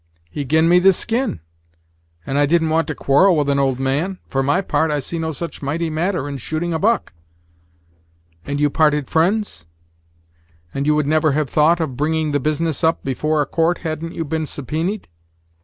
"He gi'n me the skin, and I didn't want to quarrel with an old man; for my part, I see no such mighty matter in shooting a buck!" "And you parted friends? and you would never have thought of bringing the business up before a court, hadn't you been subpoenaed?"